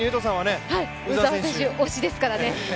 鵜澤選手推しですからね。